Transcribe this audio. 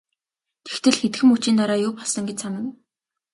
Тэгтэл хэдхэн мөчийн дараа юу болсон гэж санана.